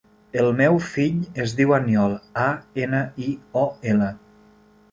El meu fill es diu Aniol: a, ena, i, o, ela.